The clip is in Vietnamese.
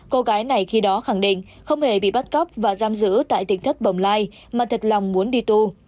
cô gái này khi đó khẳng định không hề bị bắt cóc và giam giữ tại tỉnh thất bồng lai mà thật lòng muốn đi tù